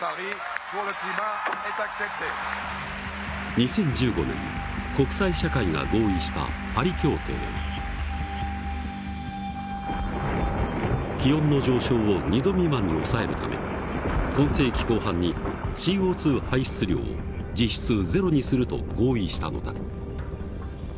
２０１５年国際社会が合意した気温の上昇を２度未満に抑えるため今世紀後半にＣＯ排出量を実質ゼロにすると合意したのだ。